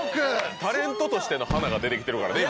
タレントとしての華が出てきてるからね、今。